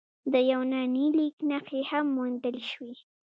د یوناني لیک نښې هم موندل شوي